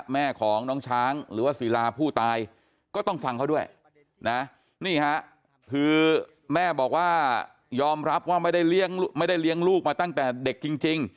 แม่ของน้องช้างหรือว่าศิลาผู้ตายก็ต้องฟังเขาด้วยนะนี่ฮะคือแม่บอกว่ายอมรับว่าไม่ได้เลี้ยงลูกมาตั้งแต่เด็กจริง